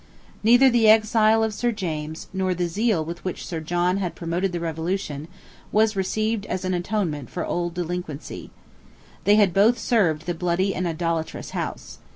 Neither the exile of Sir James, nor the zeal with which Sir John had promoted the Revolution, was received as an atonement for old delinquency. They had both served the bloody and idolatrous House.